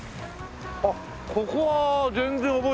あっここは全然覚えてるな。